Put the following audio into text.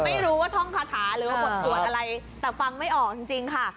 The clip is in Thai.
ไม่รู้ว่าท่องคาถาหรือว่าบทสวดอะไรแต่ฟังไม่ออกจริงค่ะ